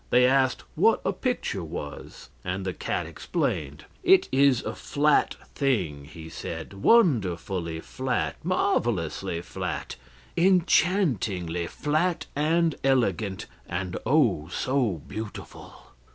They asked what a picture was, and the cat explained. "It is a flat thing," he said; "wonderfully flat, marvelously flat, enchantingly flat and elegant. And, oh, so beautiful!"